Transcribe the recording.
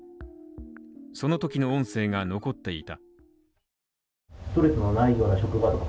そのときの音声が残っていた。